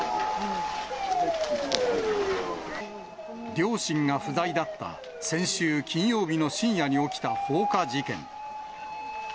両親が不在だった先週金曜日の深夜に起きた放火事件。